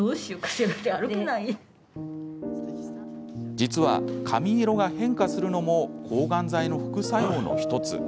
実は、髪色が変化するのも抗がん剤の副作用の１つ。